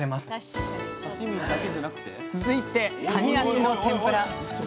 続いてかに脚の天ぷら。